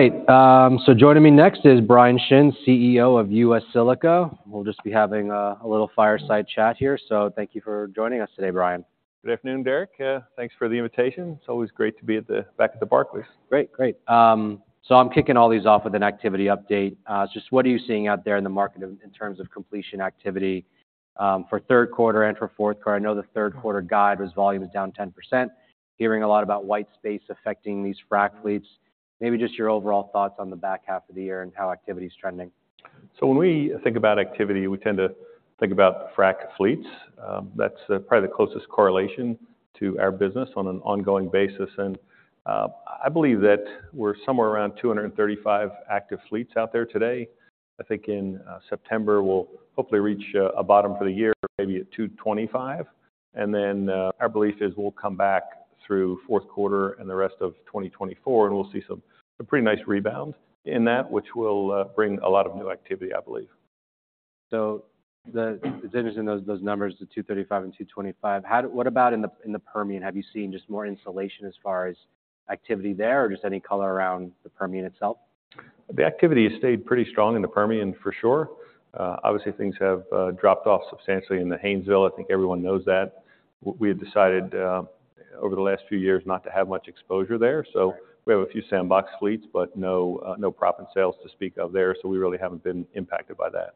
All right, so joining me next is Bryan Shinn, CEO of U.S. Silica. We'll just be having a little fireside chat here. So thank you for joining us today, Bryan. Good afternoon, Derek. Thanks for the invitation. It's always great to be at the back of the Barclays. Great, great. So I'm kicking all these off with an activity update. Just what are you seeing out there in the market in, in terms of completion activity, for third quarter and for fourth quarter? I know the third quarter guide was volumes down 10%. Hearing a lot about white space affecting these frac fleets. Maybe just your overall thoughts on the back half of the year and how activity is trending. So when we think about activity, we tend to think about frac fleets. That's probably the closest correlation to our business on an ongoing basis, and I believe that we're somewhere around 235 active fleets out there today. I think in September, we'll hopefully reach a bottom for the year, maybe at 225, and then our belief is we'll come back through fourth quarter and the rest of 2024, and we'll see a pretty nice rebound in that, which will bring a lot of new activity, I believe. It's interesting, those numbers, the 235 and 225. What about in the Permian? Have you seen just more insulation as far as activity there, or just any color around the Permian itself? The activity has stayed pretty strong in the Permian, for sure. Obviously, things have dropped off substantially in the Haynesville. I think everyone knows that. We have decided, over the last few years not to have much exposure there. Right. So we have a few SandBox fleets, but no, no proppant sales to speak of there, so we really haven't been impacted by that.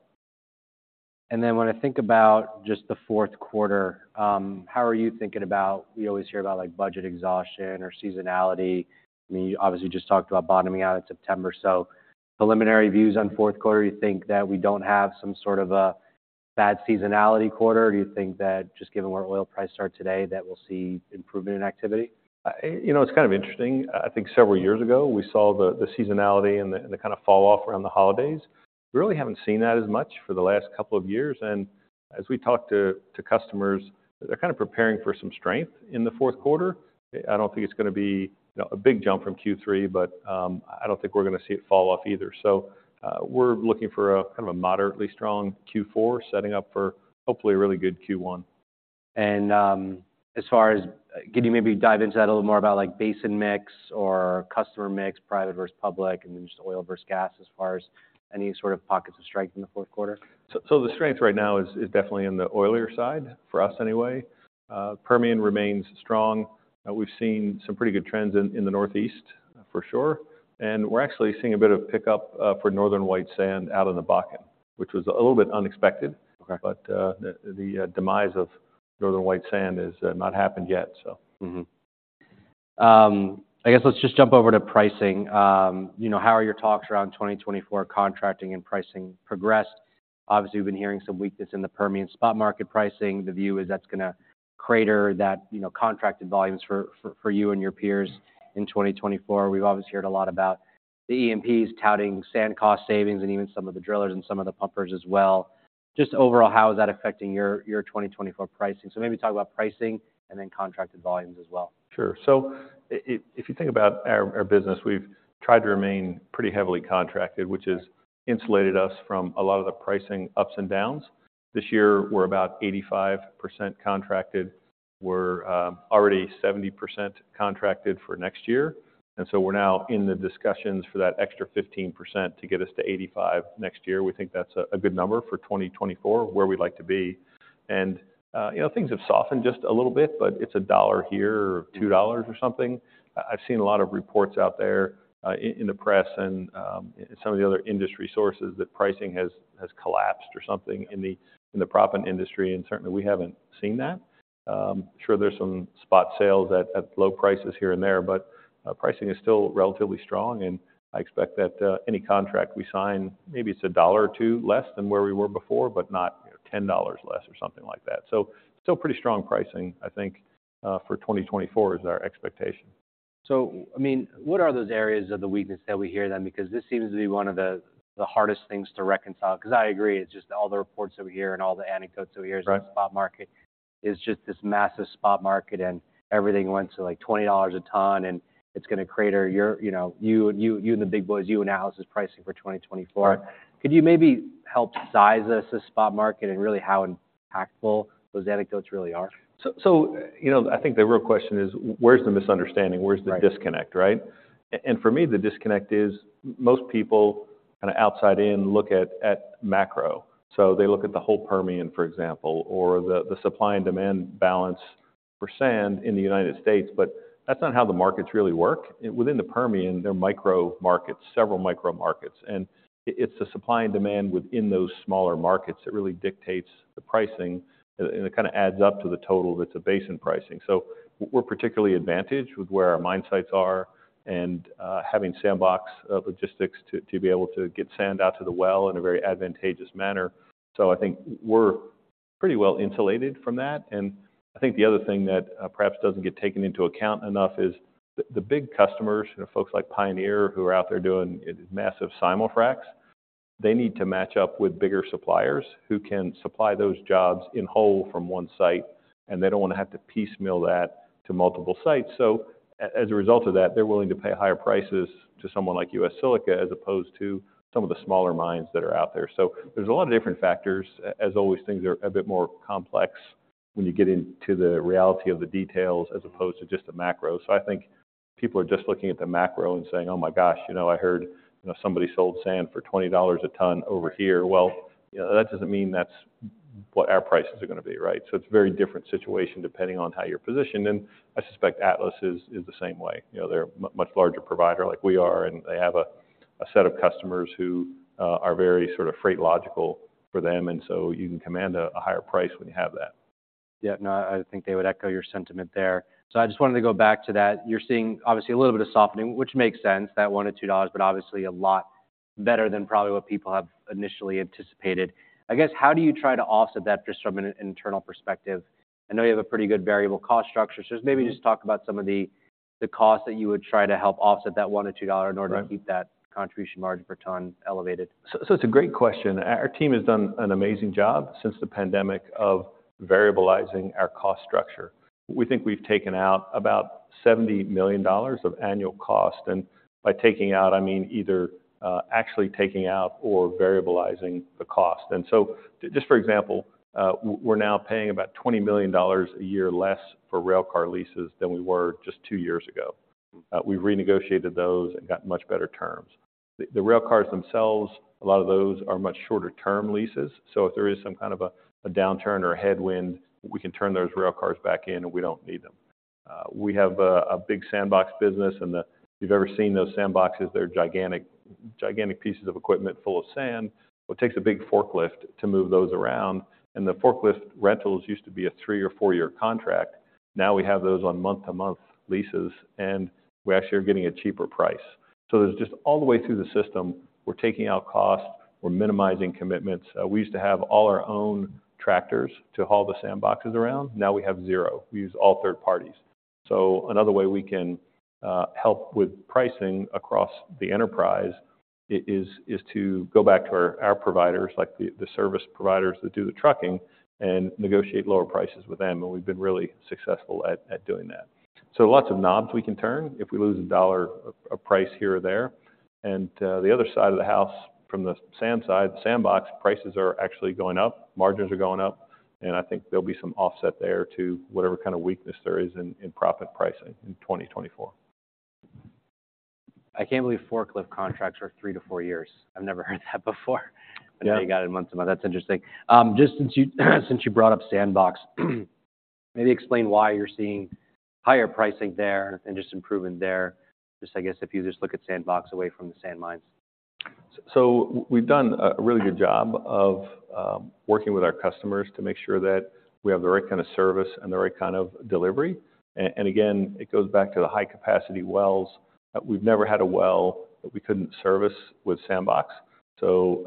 And then when I think about just the fourth quarter, how are you thinking about. We always hear about, like, budget exhaustion or seasonality. I mean, you obviously just talked about bottoming out in September. So preliminary views on fourth quarter, you think that we don't have some sort of a bad seasonality quarter, or do you think that just given where oil prices are today, that we'll see improvement in activity? You know, it's interesting. I think several years ago, we saw the seasonality and the kinda fall off around the holidays. We really haven't seen that as much for the last couple of years, and as we talk to customers, they're kinda preparing for some strength in the fourth quarter. I don't think it's gonna be a big jump from Q3, but I don't think we're gonna see it fall off either. So, we're looking for a kind of a moderately strong Q4, setting up for hopefully a really good Q1. As far as, can you maybe dive into that a little more about, like, basin mix or customer mix, private versus public, and then just oil versus gas as far as any sort of pockets of strength in the fourth quarter? So, the strength right now is definitely in the oilier side for us anyway. Permian remains strong. We've seen some pretty good trends in the Northeast, for sure, and we're actually seeing a bit of pickup for Northern White Sand out in the Bakken, which was a little bit unexpected. Okay. But, the demise of Northern White sand has not happened yet, so. I guess let's just jump over to pricing. You know, how are your talks around 2024 contracting and pricing progressed? Obviously, we've been hearing some weakness in the Permian spot market pricing. The view is that's gonna crater that, you know, contracted volumes for you and your peers in 2024. We've obviously heard a lot about the EMPs touting sand cost savings and even some of the drillers and some of the pumpers as well. Just overall, how is that affecting your 2024 pricing? So maybe talk about pricing and then contracted volumes as well. Sure. So if, if you think about our business, we've tried to remain pretty heavily contracted, which has insulated us from a lot of the pricing ups and downs. This year, we're about 85% contracted. We're already 70% contracted for next year, and so we're now in the discussions for that extra 15% to get us to 85 next year. We think that's a good number for 2024, where we'd like to be. And you know, things have softened just a little bit, but it's a dollar here or two dollars or something. I've seen a lot of reports out there in the press and some of the other industry sources that pricing has collapsed or something in the proppant industry, and certainly, we haven't seen that. Sure, there's some spot sales at, at low prices here and there, but, pricing is still relatively strong, and I expect that, any contract we sign, maybe it's a dollar or two less than where we were before, but not ten dollars less or something like that. So, pretty strong pricing, I think, for 2024 is our expectation. So, I mean, what are those areas of the weakness that we hear then? Because this seems to be one of the hardest things to reconcile, 'cause I agree, it's just all the reports that we hear and all the anecdotes that we hear in the spot market. It's just this massive spot market, and everything went to, like, $20 a ton, and it's gonna crater your, you know, you and the big boys, you and Atlas pricing for 2024. Right. Could you maybe help size us a spot market and really how impactful those anecdotes really are? So, you know, I think the real question is: Where's the misunderstanding? Right. Where's the disconnect, right? And, and for me, the disconnect is most people kinda outside in look at macro. So they look at the whole Permian, for example, or the supply and demand balance for sand in the United States, but that's not how the markets really work. Within the Permian, there are micro markets, several micro markets, and it's the supply and demand within those smaller markets that really dictates the pricing, and, and it kinda adds up to the total that's a basin pricing. So we're particularly advantaged with where our mine sites are and having SandBox logistics to be able to get sand out to the well in a very advantageous manner. So I think we're pretty well insulated from that, and I think the other thing that perhaps doesn't get taken into account enough is the big customers, the folks like Pioneer, who are out there doing massive simul-fracs. They need to match up with bigger suppliers who can supply those jobs in whole from one site, and they don't wanna have to piecemeal that to multiple sites. So as a result of that, they're willing to pay higher prices to someone like U.S. Silica, as opposed to some of the smaller mines that are out there. So there's a lot of different factors. As always, things are a bit more complex than when you get into the reality of the details as opposed to just the macro. So I think people are just looking at the macro and saying, "Oh, my gosh, you know, I heard, you know, somebody sold sand for $20 a ton over here." Well, you know, that doesn't mean that's what our prices are gonna be, right? So it's a very different situation, depending on how you're positioned, and I suspect Atlas is, is the same way. You know, they're a much larger provider like we are, and they have a set of customers who are very sort of freight logical for them, and so you can command a higher price when you have that. Yeah. No, I think they would echo your sentiment there. So I just wanted to go back to that. You're seeing obviously a little bit of softening, which makes sense, that $1-$2, but obviously a lot better than probably what people have initially anticipated. I guess, how do you try to offset that just from an internal perspective? I know you have a pretty good variable cost structure, so just maybe just talk about some of the, the costs that you would try to help offset that $1-$2. In order to keep that contribution margin per ton elevated. So it's a great question. Our team has done an amazing job since the pandemic of variabilizing our cost structure. We think we've taken out about $70 million of annual cost, and by taking out, I mean, either, actually taking out or variabilizing the cost. And so, just for example, we're now paying about $20 million a year less for railcar leases than we were just two years ago. We renegotiated those and got much better terms. The railcars themselves, a lot of those are much shorter-term leases, so if there is some kind of a downturn or a headwind, we can turn those railcars back in, and we don't need them. We have a big SandBox business, and if you've ever seen those SandBoxes, they're gigantic, gigantic pieces of equipment full of sand. Well, it takes a big forklift to move those around, and the forklift rentals used to be a three or four year contract. Now we have those on month-to-month leases, and we actually are getting a cheaper price. So there's just all the way through the system, we're taking out cost, we're minimizing commitments. We used to have all our own tractors to haul the SandBoxes around. Now we have zero. We use all third parties. So another way we can help with pricing across the enterprise is to go back to our providers, like the service providers that do the trucking, and negotiate lower prices with them, and we've been really successful at doing that. So lots of knobs we can turn if we lose a $1, a price here or there. The other side of the house, from the sand side, the SandBox, prices are actually going up, margins are going up, and I think there'll be some offset there to whatever kind of weakness there is in proppant pricing in 2024. I can't believe forklift contracts are three to four years. I've never heard that before. Yeah. But now you got it month to month. That's interesting. Just since you brought up SandBox, maybe explain why you're seeing higher pricing there and just improvement there. Just I guess if you just look at SandBox away from the sand mines. So we've done a really good job of working with our customers to make sure that we have the right kind of service and the right kind of delivery. And again, it goes back to the high-capacity wells. We've never had a well that we couldn't service with Sandbox. So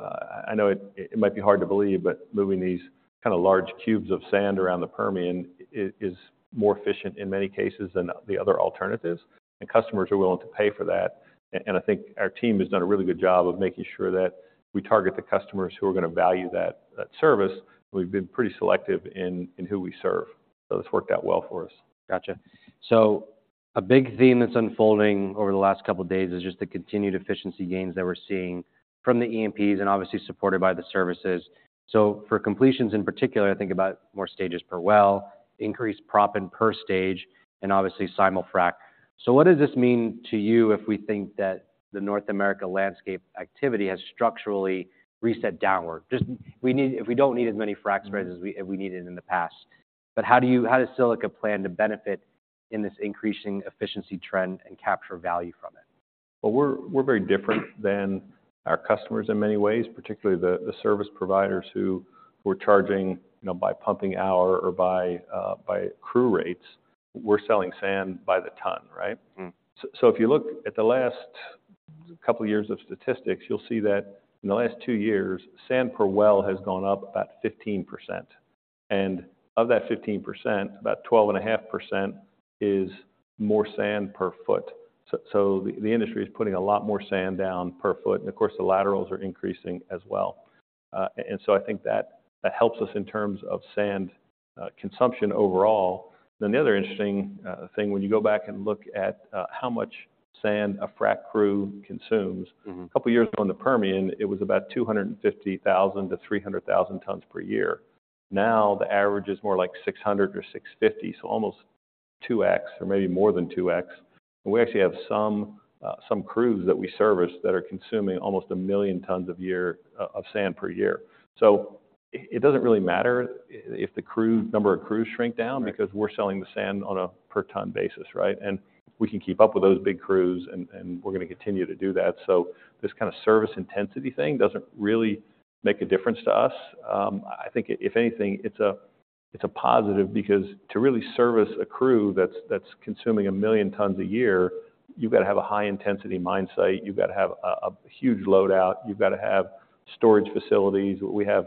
I know it might be hard to believe, but moving these kind of large cubes of sand around the Permian is more efficient in many cases than the other alternatives, and customers are willing to pay for that. And I think our team has done a really good job of making sure that we target the customers who are gonna value that service. We've been pretty selective in who we serve, so it's worked out well for us. Gotcha. So a big theme that's unfolding over the last couple of days is just the continued efficiency gains that we're seeing from the EMPs and obviously supported by the services. So for completions, in particular, I think about more stages per well, increased proppant per stage, and obviously simul-frac. So what does this mean to you if we think that the North America landscape activity has structurally reset downward? If we don't need as many frac spreads as we needed in the past. But how do you-how does Silica plan to benefit in this increasing efficiency trend and capture value from it? Well, we're very different than our customers in many ways, particularly the service providers who were charging, you know, by pumping hour or by crew rates. We're selling sand by the ton, right? So if you look at the last couple of years of statistics, you'll see that in the last two years, sand per well has gone up about 15%, and of that 15%, about 12.5% is more sand per foot. So the industry is putting a lot more sand down per foot, and of course, the laterals are increasing as well. And so I think that helps us in terms of sand consumption overall. Then the other interesting thing, when you go back and look at how much sand a frac crew consumes. A couple of years ago in the Permian, it was about 250,000-300,000 tons per year. Now, the average is more like 600 or 650, so almost 2x or maybe more than 2x. We actually have some crews that we service that are consuming almost a million tons a year of sand per year. So it doesn't really matter if the crew number of crews shrink down because we're selling the sand on a per ton basis, right? And we can keep up with those big crews, and we're gonna continue to do that. So this kind of service intensity thing doesn't really make a difference to us. I think if anything, it's a positive because to really service a crew that's consuming 1 million tons a year, you've got to have a high-intensity mine site, you've got to have a huge load out, you've got to have storage facilities. We have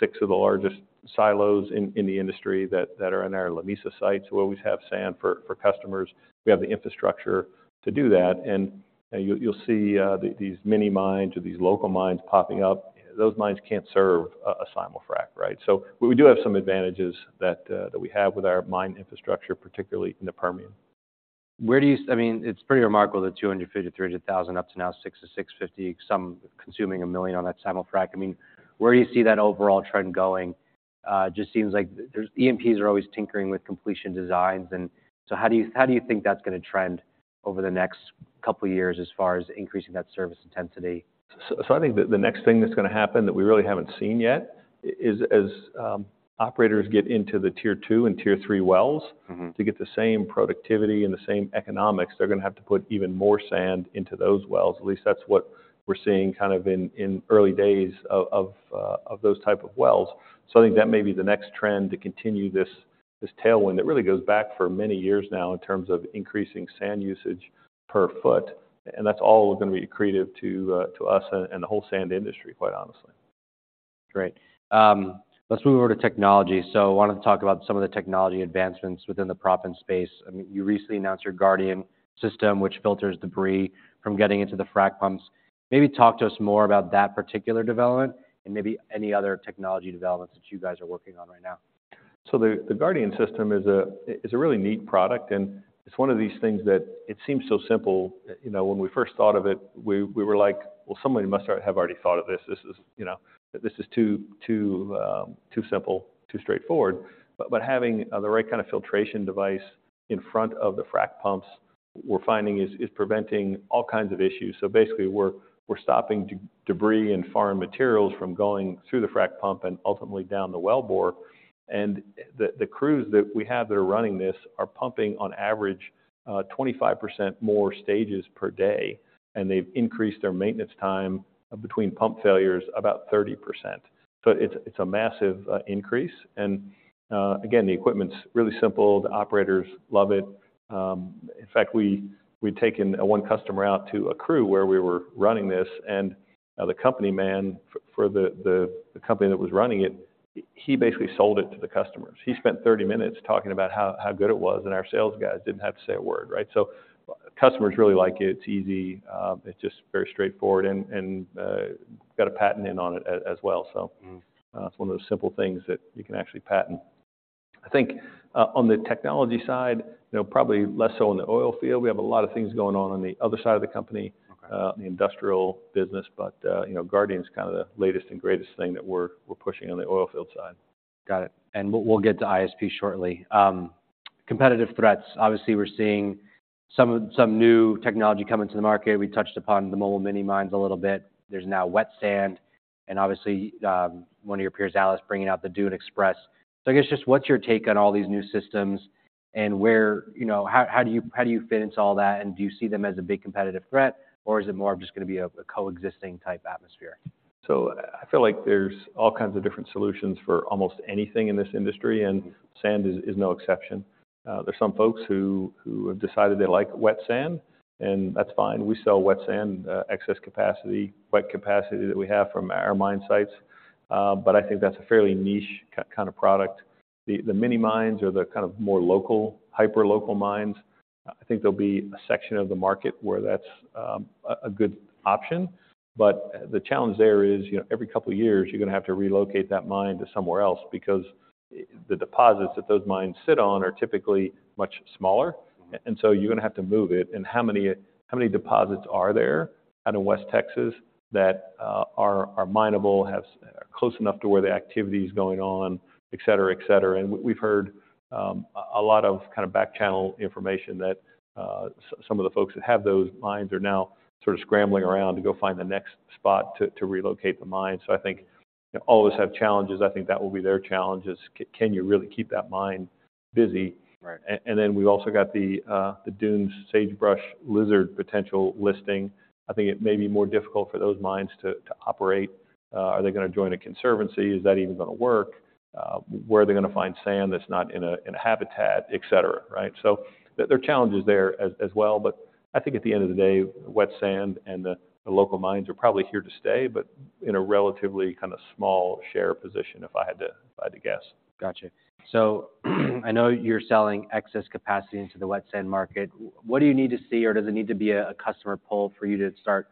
six of the largest silos in the industry that are in our Lamesa site, so we always have sand for customers. We have the infrastructure to do that, and you'll see these mini mines or these local mines popping up. Those mines can't serve a simul-frac, right? So we do have some advantages that we have with our mine infrastructure, particularly in the Permian. Where do you, I mean, it's pretty remarkable, the 250-300,000 up to now 600-650, some consuming a million on that same old frac. I mean, where do you see that overall trend going? It just seems like there's, E&Ps are always tinkering with completion designs, and so how do you, how do you think that's gonna trend over the next couple of years as far as increasing that service intensity? So, I think the next thing that's gonna happen that we really haven't seen yet is operators get into the tier two and tier three wells. To get the same productivity and the same economics, they're gonna have to put even more sand into those wells. At least that's what we're seeing kind of in early days of those type of wells. So I think that may be the next trend to continue this tailwind that really goes back for many years now in terms of increasing sand usage per foot, and that's all gonna be accretive to us and the whole sand industry, quite honestly. Great. Let's move over to technology. I wanted to talk about some of the technology advancements within the proppant space. I mean, you recently announced your Guardian System, which filters debris from getting into the frac pumps. Maybe talk to us more about that particular development and maybe any other technology developments that you guys are working on right now. So the Guardian System is a really neat product, and it's one of these things that it seems so simple. You know, when we first thought of it, we were like, "Well, somebody must have already thought of this. This is, you know, this is too simple, too straightforward." But having the right kind of filtration device in front of the frac pumps, we're finding is preventing all kinds of issues. So basically, we're stopping debris and foreign materials from going through the frac pump and ultimately down the wellbore. And the crews that we have that are running this are pumping, on average, 25% more stages per day, and they've increased their maintenance time between pump failures about 30%. So it's a massive increase, and again, the equipment's really simple. The operators love it. In fact, we've taken one customer out to a crew where we were running this, and the company man for the company that was running it, he basically sold it to the customers. He spent 30 minutes talking about how good it was, and our sales guys didn't have to say a word, right? So customers really like it. It's easy, it's just very straightforward and got a patent in on it as well. It's one of those simple things that you can actually patent. I think, on the technology side, you know, probably less so in the oil field, we have a lot of things going on on the other side of the company, the industrial business, but, you know, Guardian's kind of the latest and greatest thing that we're pushing on the oil field side. Got it, and we'll get to ISP shortly. Competitive threats. Obviously, we're seeing some of some new technology come into the market. We touched upon the mobile mini mines a little bit. There's now wet sand, and obviously, one of your peers, Atlas, bringing out the Dune Express. So I guess just what's your take on all these new systems, and where, you know, how, how do you, how do you fit into all that, and do you see them as a big competitive threat, or is it more of just gonna be a, a coexisting type atmosphere? So I feel like there's all kinds of different solutions for almost anything in this industry, and sand is no exception. There are some folks who have decided they like wet sand, and that's fine. We sell wet sand, excess capacity, wet capacity that we have from our mine sites, but I think that's a fairly niche kind of product. The mini mines or the kind of more local, hyper local mines, I think there'll be a section of the market where that's a good option. But the challenge there is, you know, every couple of years, you're gonna have to relocate that mine to somewhere else because the deposits that those mines sit on are typically much smaller. And so you're gonna have to move it, and how many deposits are there out in West Texas that are minable, close enough to where the activity is going on, et cetera, et cetera? And we've heard a lot of kind of back-channel information that some of the folks that have those mines are now sort of scrambling around to go find the next spot to relocate the mine. So I think all of us have challenges. I think that will be their challenge: can you really keep that mine busy? Right. And then we've also got the Dunes Sagebrush Lizard potential listing. I think it may be more difficult for those mines to operate. Are they gonna join a conservancy? Is that even gonna work? Where are they gonna find sand that's not in a habitat, et cetera, right? So there are challenges there as well, but I think at the end of the day, wet sand and the local mines are probably here to stay, but in a relatively kind of small share position, if I had to guess. Gotcha. So I know you're selling excess capacity into the wet sand market. What do you need to see, or does it need to be a customer pull for you to start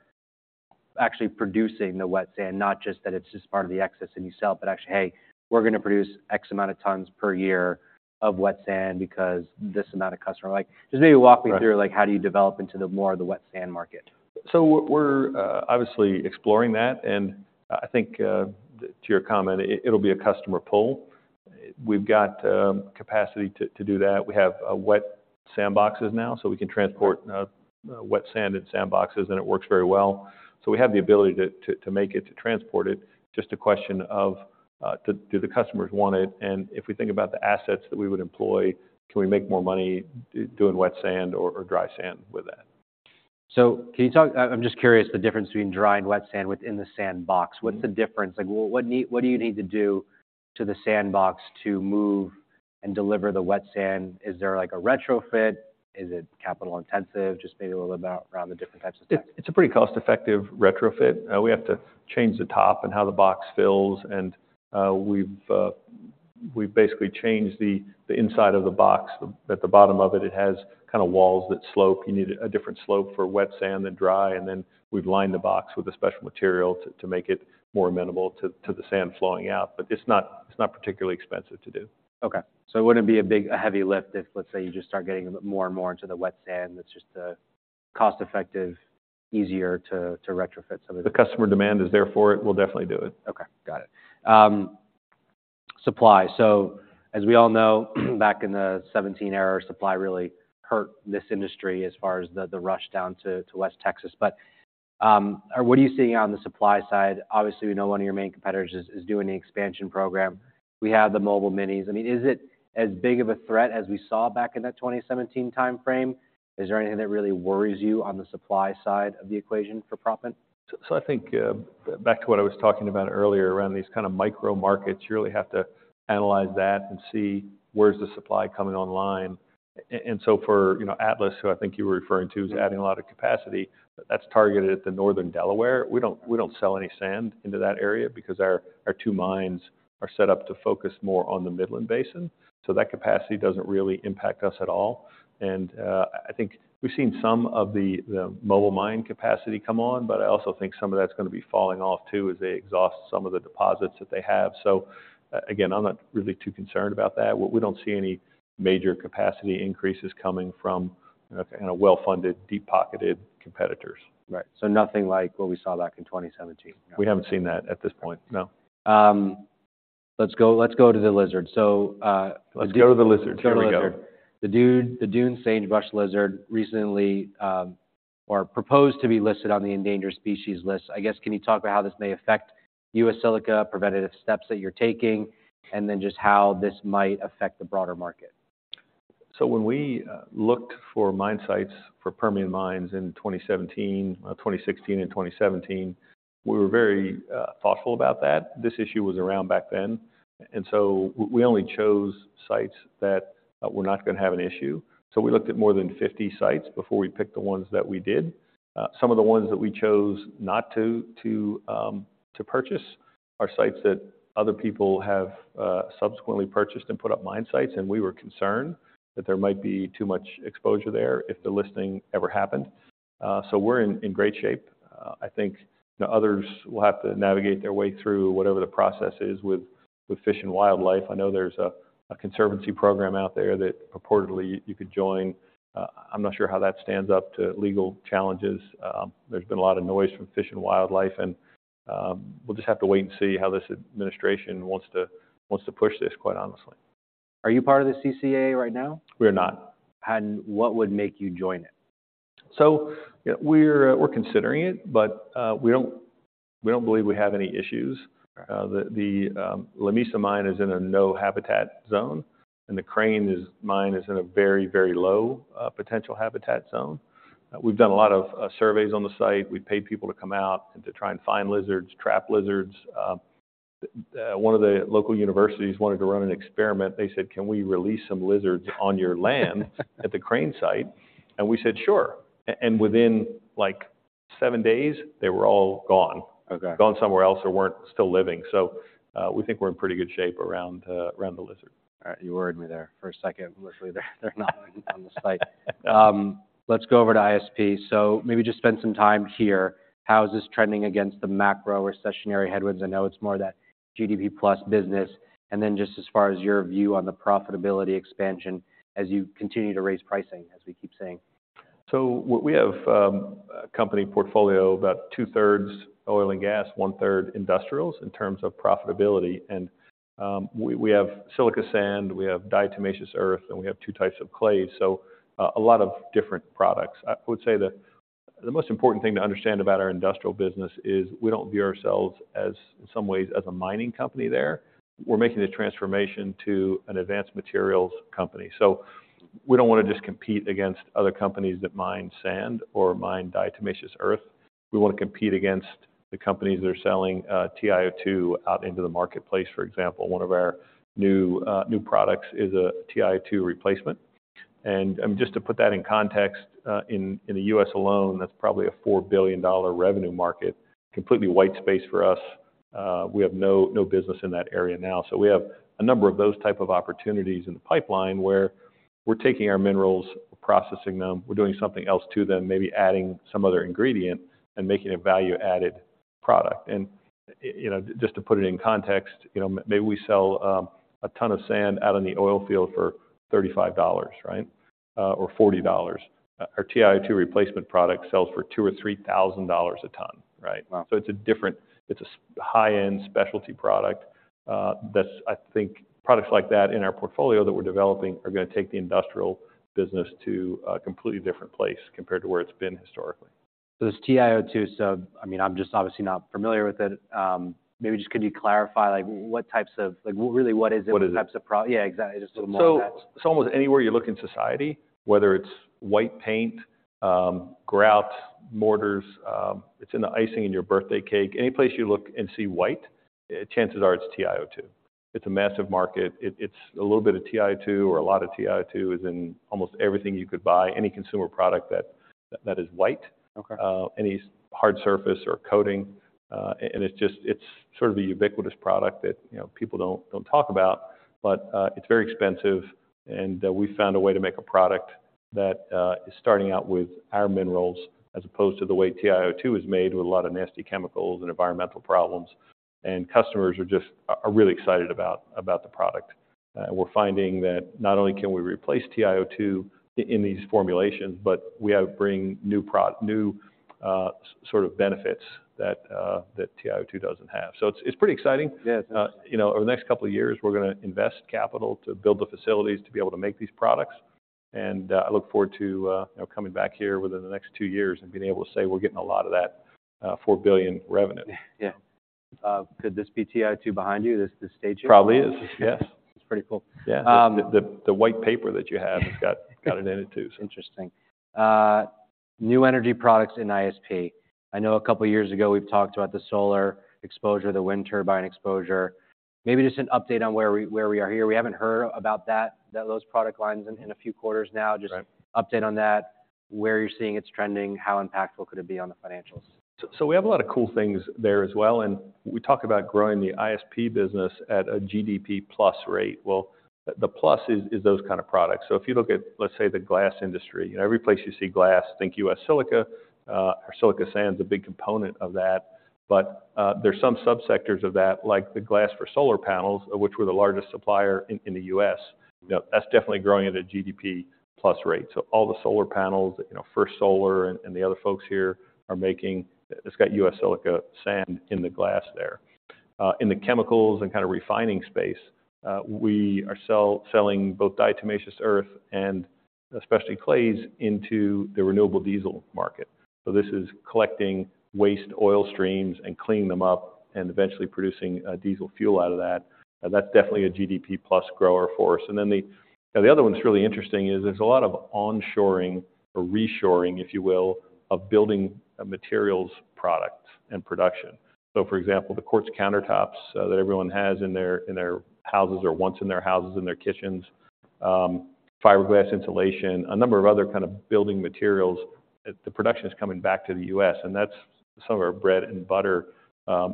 actually producing the wet sand, not just that it's just part of the excess and you sell, but actually, "Hey, we're gonna produce X amount of tons per year of wet sand because this amount of customer..." Like, just maybe walk me through like, how do you develop into the more of the wet sand market? So we're obviously exploring that, and I think to your comment, it'll be a customer pull. We've got capacity to do that. We have wet SandBoxes now, so we can transport wet sand in SandBoxes, and it works very well. So we have the ability to make it, to transport it, just a question of do the customers want it? And if we think about the assets that we would employ, can we make more money doing wet sand or dry sand with that? Can you talk, I'm just curious, the difference between dry and wet sand within the SandBox. What's the difference? Like, what do you need to do to the SandBox to move and deliver the wet sand? Is there, like, a retrofit? Is it capital intensive? Just maybe a little about around the different types of sand. It's a pretty cost-effective retrofit. We have to change the top and how the box fills, and we've basically changed the inside of the box. At the bottom of it, it has kind of walls that slope. You need a different slope for wet sand than dry, and then we've lined the box with a special material to make it more amenable to the sand flowing out. But it's not particularly expensive to do. Okay. So it wouldn't be a big, a heavy lift if, let's say, you just start getting more and more into the wet sand. That's just cost effective, easier to, to retrofit some of the- If the customer demand is there for it, we'll definitely do it. Okay, got it. Supply. So as we all know, back in the 2017 era, supply really hurt this industry as far as the rush down to West Texas. But what are you seeing on the supply side? Obviously, we know one of your main competitors is doing the expansion program. We have the mobile minis. I mean, is it as big of a threat as we saw back in that 2017 time frame? Is there anything that really worries you on the supply side of the equation for proppant? So, I think, back to what I was talking about earlier, around these kind of micro markets, you really have to analyze that and see where's the supply coming online. And so for, you know, Atlas, who I think you were referring to is adding a lot of capacity, that's targeted at the Northern Delaware. We don't, we don't sell any sand into that area because our, our two mines are set up to focus more on the Midland Basin, so that capacity doesn't really impact us at all. And, I think we've seen some of the, the mobile mine capacity come on, but I also think some of that's gonna be falling off, too, as they exhaust some of the deposits that they have. So, again, I'm not really too concerned about that. We, we don't see any major capacity increases coming from kind of well-funded, deep-pocketed competitors. Right. So nothing like what we saw back in 2017? We haven't seen that at this point, no. Let's go, let's go to the lizard. Let's go to the lizard. Let's go to the lizard. Here we go. The Dunes, the Dunes Sagebrush Lizard recently or proposed to be listed on the endangered species list. I guess, can you talk about how this may affect U.S. Silica, preventative steps that you're taking, and then just how this might affect the broader market? So when we looked for mine sites for Permian mines in 2017, 2016 and 2017, we were very thoughtful about that. This issue was around back then, and so we only chose sites that were not gonna have an issue. So we looked at more than 50 sites before we picked the ones that we did. Some of the ones that we chose not to purchase are sites that other people have subsequently purchased and put up mine sites, and we were concerned that there might be too much exposure there if the listing ever happened. So we're in great shape. I think the others will have to navigate their way through whatever the process is with Fish and Wildlife. I know there's a conservancy program out there that purportedly you could join. I'm not sure how that stands up to legal challenges. There's been a lot of noise from Fish and Wildlife, and we'll just have to wait and see how this administration wants to push this, quite honestly. Are you part of the CCA right now? We are not. What would make you join it? So, we're considering it, but we don't believe we have any issues. The Lamesa mine is in a no habitat zone, and the Crane mine is in a very low potential habitat zone. We've done a lot of surveys on the site. We paid people to come out and to try and find lizards, trap lizards. One of the local universities wanted to run an experiment. They said, "Can we release some lizards on your land at the Crane site?" And we said, "Sure." And within, like, seven days, they were all gone. Okay. Gone somewhere else or weren't still living. So, we think we're in pretty good shape around, around the lizard. All right. You worried me there for a second. Luckily, they're not on the site. Let's go over to ISP. So maybe just spend some time here. How is this trending against the macro or recessionary headwinds? I know it's more that GDP plus business. And then just as far as your view on the profitability expansion as you continue to raise pricing, as we keep saying. So what we have, a company portfolio, about two-thirds oil and gas, one-third industrials in terms of profitability, and, we, we have silica sand, we have diatomaceous earth, and we have two types of clays, so, a lot of different products. I would say that the most important thing to understand about our industrial business is we don't view ourselves as, in some ways, as a mining company there. We're making the transformation to an advanced materials company. So we don't wanna just compete against other companies that mine sand or mine diatomaceous earth. We wanna compete against the companies that are selling, TiO2 out into the marketplace. For example, one of our new, new products is a TiO2 replacement. Just to put that in context, in the U.S. alone, that's probably a $4 billion revenue market, completely white space for us. We have no, no business in that area now. So we have a number of those type of opportunities in the pipeline, where we're taking our minerals, processing them, we're doing something else to them, maybe adding some other ingredient and making a value-added product. You know, just to put it in context, you know, maybe we sell a ton of sand out in the oil field for $35, right? Or $40. Our TiO2 replacement product sells for $2,000-$3,000 a ton, right? Wow! So it's a different, it's a high-end specialty product. That's. I think products like that in our portfolio that we're developing are gonna take the industrial business to a completely different place compared to where it's been historically. So this TiO2, so I mean, I'm just obviously not familiar with it. Maybe just could you clarify, like, what types of... Like, what really, what is it- What is it? Yeah, exactly. Just a little more on that. So it's almost anywhere you look in society, whether it's white paint, grout, mortars, it's in the icing in your birthday cake. Any place you look and see white, chances are it's TiO2. It's a massive market. It's a little bit of TiO2 or a lot of TiO2 is in almost everything you could buy, any consumer product that is white. Okay. Any hard surface or coating, and it's just, it's sort of a ubiquitous product that, you know, people don't, don't talk about, but, it's very expensive. And we found a way to make a product that is starting out with our minerals, as opposed to the way TiO2 is made with a lot of nasty chemicals and environmental problems. And customers are just, are really excited about the product. We're finding that not only can we replace TiO2 in these formulations, but we have benefits that, that TiO2 doesn't have. So it's, it's pretty exciting. Yeah, it's nice. You know, over the next couple of years, we're gonna invest capital to build the facilities to be able to make these products. I look forward to, you know, coming back here within the next two years and being able to say we're getting a lot of that $4 billion revenue. Yeah. Could this be TiO2 behind you, this stage here? Probably is, yes. It's pretty cool. Yeah. The white paper that you have has got it in it too, so. Interesting. New energy products in ISP. I know a couple of years ago we've talked about the solar exposure, the wind turbine exposure. Maybe just an update on where we, where we are here. We haven't heard about that, that those product lines in, in a few quarters now. Right. Just update on that, where you're seeing it's trending, how impactful could it be on the financials? So we have a lot of cool things there as well, and we talk about growing the ISP business at a GDP plus rate. Well, the plus is those kind of products. So if you look at, let's say, the glass industry, you know, every place you see glass, think U.S. Silica, or silica sand is a big component of that. But there's some subsectors of that, like the glass for solar panels, of which we're the largest supplier in the U.S. You know, that's definitely growing at a GDP plus rate. So all the solar panels, you know, First Solar and the other folks here are making. It's got U.S. Silica sand in the glass there. In the chemicals and kind of refining space, we are selling both diatomaceous earth and especially clays into the renewable diesel market. So this is collecting waste oil streams and cleaning them up, and eventually producing diesel fuel out of that. And that's definitely a GDP plus grower for us. And then the other one that's really interesting is there's a lot of onshoring or reshoring, if you will, of building materials products and production. So for example, the quartz countertops that everyone has in their houses or wants in their houses, in their kitchens, fiberglass insulation, a number of other kind of building materials, the production is coming back to the U.S., and that's some of our bread-and-butter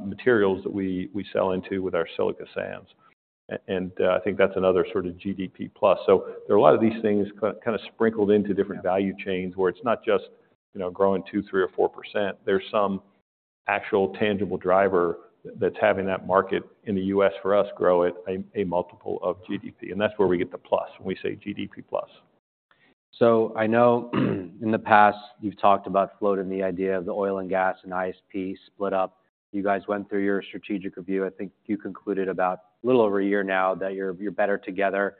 materials that we sell into with our silica sands. And I think that's another sort of GDP plus. So there are a lot of these things kinda sprinkled into different value chains, where it's not just, you know, growing 2%, 3%, or 4%. There's some actual tangible driver that's having that market in the U.S. for us grow at a multiple of GDP, and that's where we get the plus when we say GDP plus. So I know, in the past, you've talked about floating the idea of the oil and gas and ISP split up. You guys went through your strategic review. I think you concluded about a little over a year now that you're, you're better together.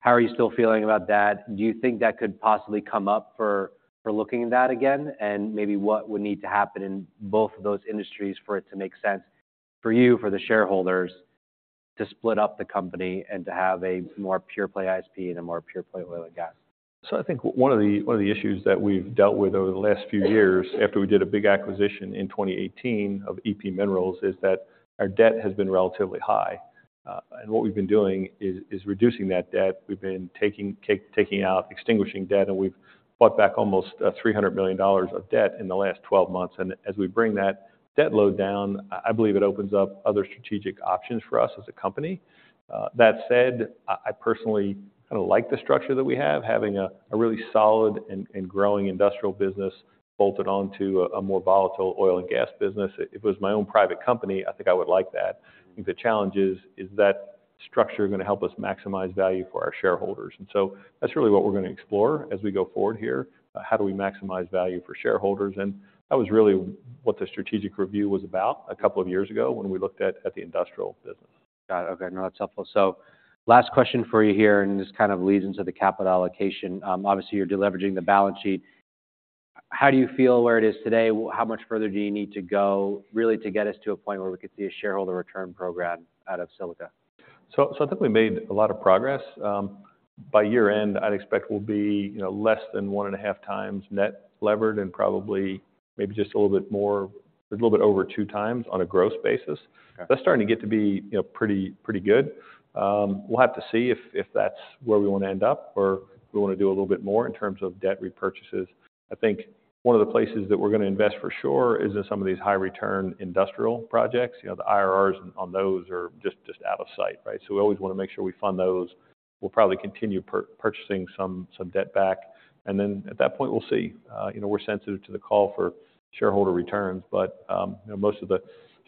How are you still feeling about that? Do you think that could possibly come up for, for looking at that again? And maybe what would need to happen in both of those industries for it to make sense for you, for the shareholders, to split up the company and to have a more pure-play ISP and a more pure-play oil and gas? So I think one of the, one of the issues that we've dealt with over the last few years, after we did a big acquisition in 2018 of EP Minerals, is that our debt has been relatively high. And what we've been doing is reducing that debt. We've been taking, taking out, extinguishing debt, and we've bought back almost three hundred million dollars of debt in the last 12 months. And as we bring that debt load down, I believe it opens up other strategic options for us as a company. That said, I personally kinda like the structure that we have, having a really solid and growing industrial business bolted onto a more volatile oil and gas business. If it was my own private company, I think I would like that. I think the challenge is that structure gonna help us maximize value for our shareholders? And so that's really what we're gonna explore as we go forward here. How do we maximize value for shareholders? And that was really what the strategic review was about a couple of years ago when we looked at the industrial business. Got it. Okay, no, that's helpful. So last question for you here, and this kind of leads into the capital allocation. Obviously, you're deleveraging the balance sheet. How do you feel where it is today? How much further do you need to go really to get us to a point where we could see a shareholder return program out of Silica? So, I think we made a lot of progress. By year-end, I'd expect we'll be, you know, less than 1.5x net levered, and probably maybe just a little bit more, a little bit over 2x on a growth basis. Okay. That's starting to get to be, you know, pretty, pretty good. We'll have to see if that's where we want to end up or if we wanna do a little bit more in terms of debt repurchases. I think one of the places that we're gonna invest for sure is in some of these high-return industrial projects. You know, the IRRs on those are just, just out of sight, right? So we always wanna make sure we fund those. We'll probably continue purchasing some debt back, and then at that point, we'll see. You know, we're sensitive to the call for shareholder returns, but you know, most of the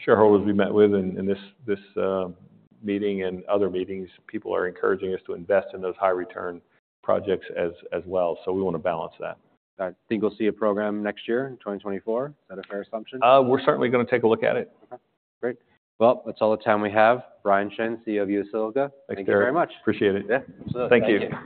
shareholders we met with in this meeting and other meetings, people are encouraging us to invest in those high-return projects as well. So we wanna balance that. I think we'll see a program next year in 2024. Is that a fair assumption? We're certainly gonna take a look at it. Okay, great. Well, that's all the time we have. Bryan Shinn, CEO of U.S. Silica. Thank you. Thank you very much. Appreciate it. Yeah. Thank you.